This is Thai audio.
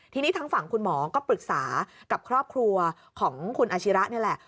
ทีนี้ทางฝั่งคุณหมอก็ปรึกษากับครอบครัวของคุณอาชิระนี่แหละ